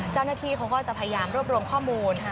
เจ้าหน้าที่เขาก็จะพยายามรวบรวมข้อมูล